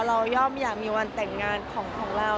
ย่อมอยากมีวันแต่งงานของเรา